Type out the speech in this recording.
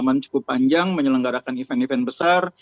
pengalaman cukup panjang menyelenggarakan event event besar